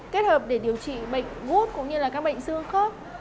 kết hợp để điều trị bệnh gút cũng như là các bệnh xương khớp